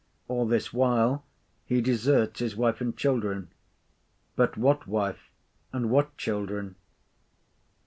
All this while he deserts his wife and children. But what wife, and what children?